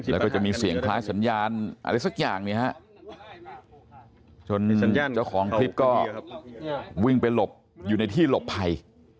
แล้วก็จะมีเสียงคล้ายสัญญาณอะไรสักอย่างเนี่ยฮะจนเจ้าของคลิปก็วิ่งไปหลบอยู่ในที่หลบภัย